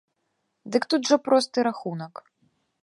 Дык тут жа просты рахунак.